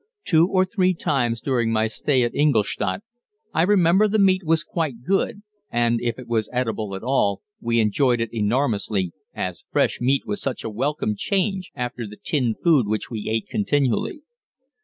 Two or three times during my stay at Ingolstadt I remember the meat was quite good, and, if it was eatable at all, we enjoyed it enormously, as fresh meat was such a welcome change after the tinned food which we ate continually.